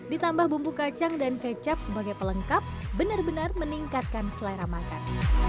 ditambah bumbu kacang dan kecap sebagai pelengkap benar benar meningkatkan selera makan